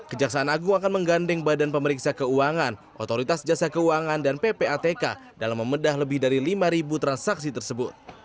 kejaksaan agung akan menggandeng badan pemeriksa keuangan otoritas jasa keuangan dan ppatk dalam membedah lebih dari lima transaksi tersebut